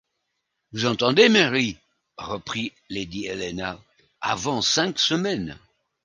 Vous entendez, Mary, reprit lady Helena, avant cinq semaines !